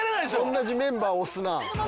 同じメンバー推すなあ。